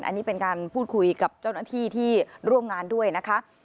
อันนี้เป็นการพูดคุยกับเจ้าหน้าที่ที่ร่วมงานด้วยนะคะ